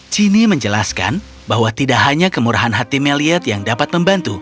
cinie menjelaskan bahwa tidak hanya kemurahan hati meliad yang dapat membantu